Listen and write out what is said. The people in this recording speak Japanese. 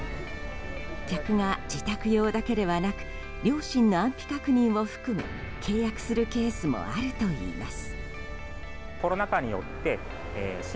客が自宅用だけではなく両親の安否確認を含め契約するケースもあるといいます。